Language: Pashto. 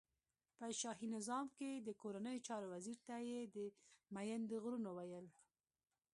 په شاهی نظام کی د کورنیو چارو وزیر ته یی مین د غرونو ویل.